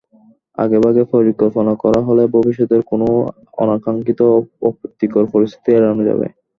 আগেভাগেই পরিকল্পনা করা হলে ভবিষ্যতের কোনো অনাকাঙ্ক্ষিত অপ্রীতিকর পরিস্থিতি এড়ানো যাবে।